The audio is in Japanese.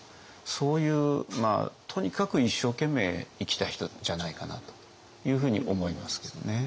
そういうとにかく一生懸命生きた人じゃないかなというふうに思いますけどね。